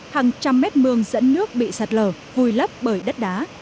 hàng trăm mét mương dẫn nước bị sạt lở vùi lấp bởi đất đá